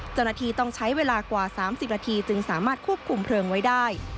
เจ้าหน้าที่ต้องใช้เวลากว่า๓๐นาทีจึงสามารถควบคุมเพลิงไว้ได้